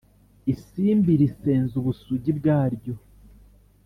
isimbi risenze ubusugi bwaryo